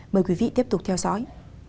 mời quý vị tiếp tục theo dõi